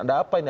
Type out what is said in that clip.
anda apain ya